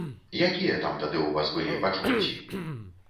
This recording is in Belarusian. Якія там тады ў вас былі пачуцці?